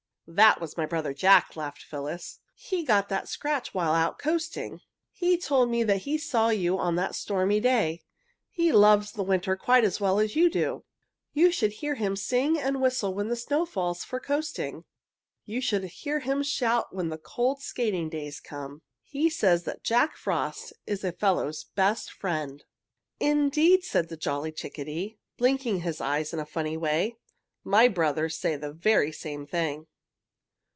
"That was my brother Jack," laughed Phyllis. "He got that scratch while out coasting. He told me that he saw you on that stormy day. He loves the winter quite as well as you do. You should hear him sing and whistle when the snow falls for coasting. You should hear him shout when the cold skating days come. He says that Jack Frost is a fellow's best friend." "Indeed," said the jolly little chickadee, blinking his eyes in a funny way, "my brothers say the very same thing!"